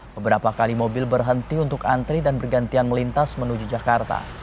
beberapa kali mobil berhenti untuk antri dan bergantian melintas menuju jakarta